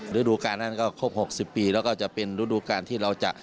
ฤดูการนั้นก็ครบ๖๐ปีแล้วก็จะเป็นฤดูการที่เราจะ